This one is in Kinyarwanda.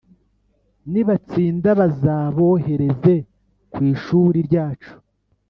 nibatsinda bazabohereze ku ishuri ryacu.